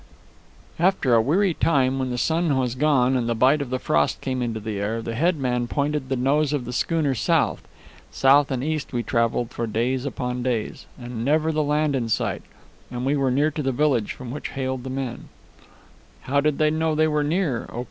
"After a weary time, when the sun was gone and the bite of the frost come into the air, the head man pointed the nose of the schooner south. South and east we traveled for days upon days, with never the land in sight, and we were near to the village from which hailed the men " "How did they know they were near?"